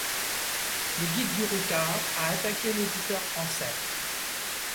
Le Guide du Routard a attaqué l'éditeur français.